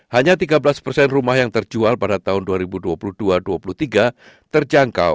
hanya tiga belas persen rumah yang terjual pada tahun dua ribu dua puluh dua dua ribu dua puluh tiga terjangkau